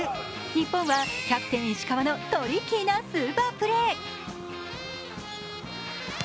日本はキャプテン・石川のトリッキーなスーパープレー。